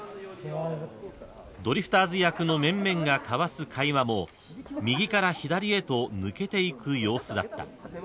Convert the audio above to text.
［ドリフターズ役の面々が交わす会話も右から左へと抜けていく様子だった］